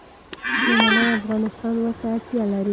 نننی افغانستان ورته اړتیا لري.